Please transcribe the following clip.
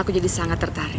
aku jadi sangat tertarik